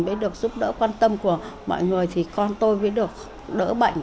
mới được giúp đỡ quan tâm của mọi người thì con tôi mới được đỡ bệnh